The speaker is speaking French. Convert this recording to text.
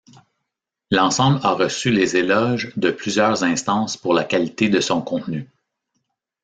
L’ensemble a reçu les éloges de plusieurs instances pour la qualité de son contenu.